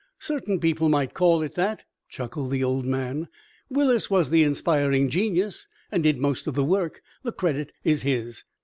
"Certain people might call it that," chuckled the old man. "Willis was the inspiring genius, and did most of the work; the credit is his."